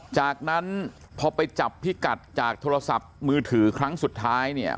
จากนั้นพอไปจับพิกัดจากโทรศัพท์มือถือครั้งสุดท้ายเนี่ย